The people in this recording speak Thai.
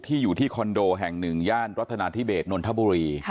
อยู่ที่คอนโดแห่งหนึ่งย่านรัฐนาธิเบสนนทบุรี